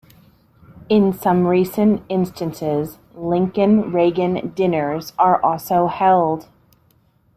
In some recent instances Lincoln-Reagan dinners are also held.